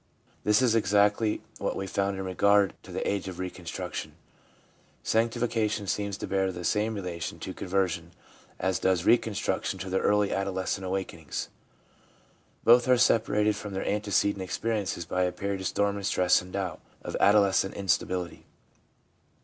This is exactly what we found in regard to the age of reconstruction. Sanctifica tion seems to bear the same relation to conversion as does reconstruction to the earlier adolescent awaken ings. Both are separated from their antecedent experi ences by a period of storm and stress and doubt, of adolescent instability.